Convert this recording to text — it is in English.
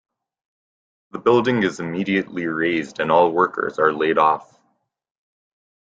The building is immediately razed and all workers are laid off.